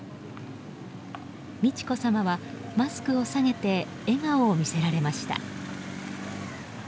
美智子さまは、マスクを下げて笑顔を見せられました。